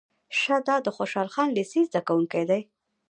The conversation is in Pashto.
شه دا د خوشحال خان لېسې زده کوونکی دی.